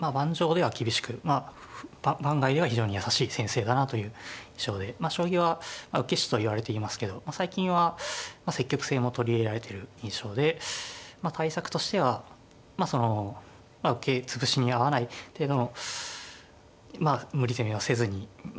盤上では厳しく盤外では非常に優しい先生だなという印象で将棋は受け師といわれていますけど最近は積極性も取り入れられてる印象で対策としてはその受け潰しに遭わない程度のまあ無理攻めをせずにまあ